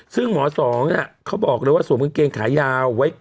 ซึ่งหมอสองเขาบอกเลยว่าสวมกางเกงขายาวไว้